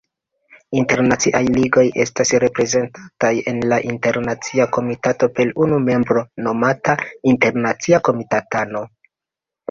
Internaciaj Ligoj estas reprezentataj en la Internacia Komitato per unu membro, nomata Internacia Komitatano.